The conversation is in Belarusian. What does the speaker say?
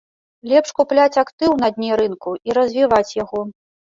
Лепш купляць актыў на дне рынку і развіваць яго.